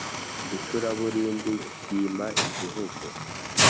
icuraburindi ryima igihugu,